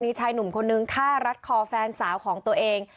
มีชายหนุ่มคนนึงฆ่ารัดคอแฟนสาวของตัวเอง